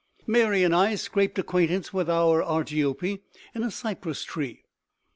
Mary and I scraped acquaintance with our Argiope in a cypress tree.